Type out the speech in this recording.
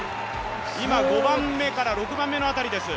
今、５番目から６番目の辺りです。